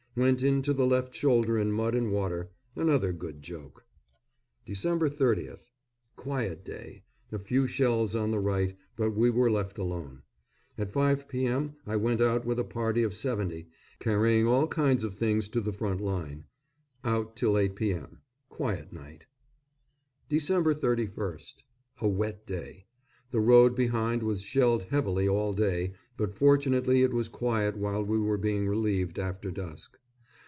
Went in to the left shoulder in mud and water. Another good joke! Dec. 30th. Quiet day. A few shells on the right; but we were left alone. At 5 p.m. I went out with a party of seventy, carrying all kinds of things to the front line. Out till 8 p.m. Quiet night. Dec. 31st. A wet day. The road behind was shelled heavily all day, but fortunately it was quiet while we were being relieved after dusk.